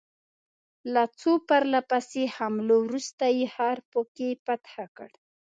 له څو پرله پسې حملو وروسته یې ښار په کې فتح کړ.